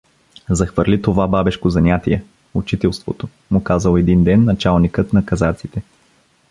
Захвърли това бабешко занятие — учителството — му казал един ден началникът на казаците.